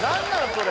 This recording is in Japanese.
それ。